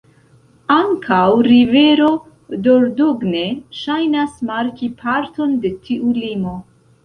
Ankaŭ rivero Dordogne ŝajnas marki parton de tiu limo.